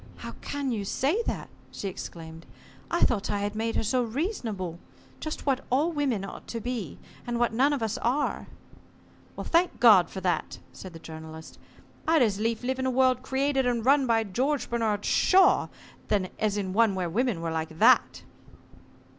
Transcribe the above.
"How can you say that?" she exclaimed. "I thought I had made her so reasonable. Just what all women ought to be, and what none of us are." "Thank God for that," said the Journalist. "I'd as lief live in a world created and run by George Bernard Shaw as in one where women were like that."